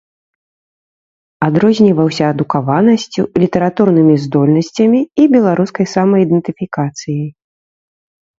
Адрозніваўся адукаванасцю, літаратурнымі здольнасцямі і беларускай самаідэнтыфікацыяй.